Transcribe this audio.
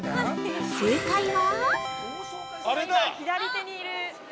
◆正解は？